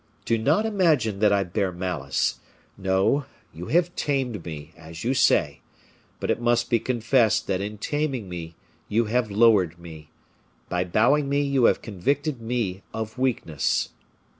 Do not imagine that I bear malice; no, you have tamed me, as you say; but it must be confessed that in taming me you have lowered me; by bowing me you have convicted me of weakness.